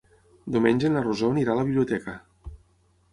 Diumenge na Rosó anirà a la biblioteca.